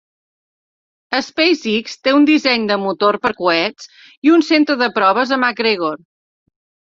SpaceX té un disseny de motor per coets i un centre de proves a McGregor.